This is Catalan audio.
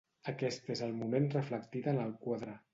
Aquest és el moment reflectit en el quadre.